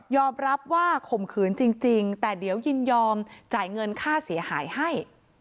รับว่าข่มขืนจริงแต่เดี๋ยวยินยอมจ่ายเงินค่าเสียหายให้